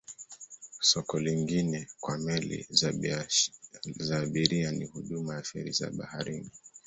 Soko lingine kwa meli za abiria ni huduma ya feri za baharini.